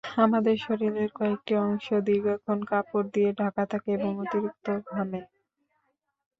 আমাদের শরীরের কয়েকটি অংশ দীর্ঘক্ষণ কাপড় দিয়ে ঢাকা থাকে এবং অতিরিক্ত ঘামে।